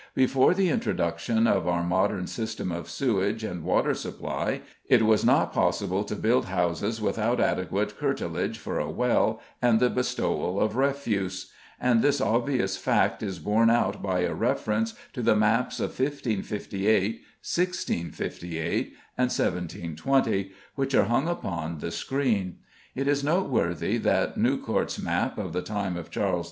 Before the introduction of our modern system of sewerage and water supply, it was not possible to build houses without adequate curtilage for a well and the bestowal of refuse, and this obvious fact is borne out by a reference to the maps of 1558, 1658, and 1720, which are hung upon the screen. It is noteworthy that Newcourt's map of the time of Charles II.